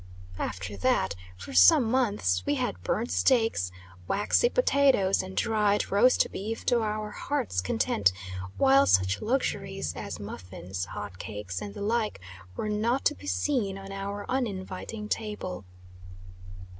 After that, for some months, we had burnt steaks, waxy potatoes, and dried roast beef to our hearts' content; while such luxuries as muffins, hot cakes, and the like were not to be seen on our uninviting table.